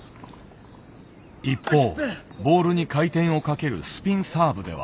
一方ボールに回転をかけるスピンサーブでは。